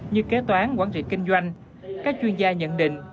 như kế toán quản trị kinh doanh